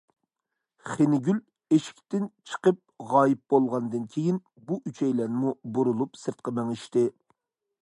خېنىگۈل ئىشىكتىن چىقىپ غايىب بولغاندىن كېيىن، بۇ ئۈچەيلەنمۇ بۇرۇلۇپ سىرتقا مېڭىشتى.